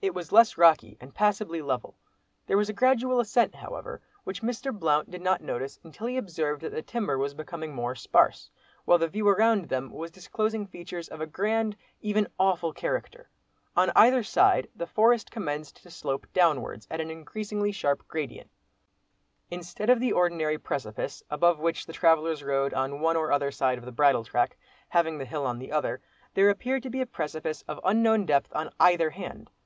It was less rocky, and passably level. There was a gradual ascent however, which Mr. Blount did not notice until he observed that the timber was becoming more sparse, while the view around them was disclosing features of a grand, even awful character. On either side the forest commenced to slope downwards, at an increasingly sharp gradient. Instead of the ordinary precipice, above which the travellers rode, on one or other side of the bridle track, having the hill on the other, there appeared to be a precipice of unknown depth on either hand.